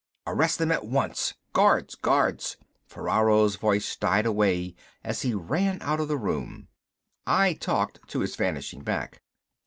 "Arrest them at once! Guards ... guards " Ferraro's voice died away as he ran out of the room. I talked to his vanishing back.